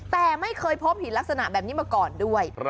แต่ไม่เคยพบหินลักษณะแบบนี้มาก่อนด้วย